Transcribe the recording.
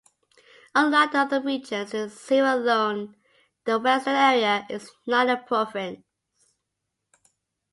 Unlike the other regions in Sierra Leone, the western area is not a province.